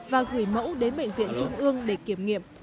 và gửi mẫu đến bệnh viện trung ương để kiểm nghiệm